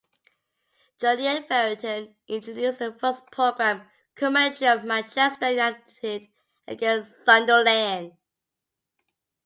Juliette Ferrington introduced the first programme - commentary of Manchester United against Sunderland.